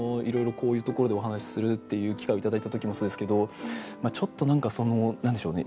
こういうところでお話しするっていう機会を頂いた時もそうですけどちょっと何か何でしょうね